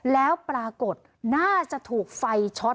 แล้วปรากฏน่าจะถูกไฟช็อต